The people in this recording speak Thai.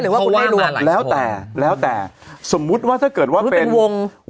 ว่าคุณไม่รวมแล้วแต่แล้วแต่สมมุติว่าถ้าเกิดว่าเป็นวง